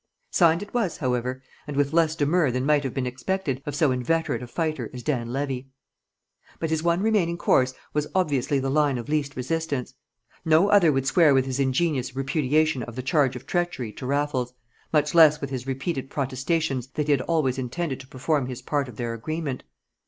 Signed it was, however, and with less demur than might have been expected of so inveterate a fighter as Dan Levy. But his one remaining course was obviously the line of least resistance; no other would square with his ingenious repudiation of the charge of treachery to Raffles, much less with his repeated protestations that he had always intended to perform his part of their agreement.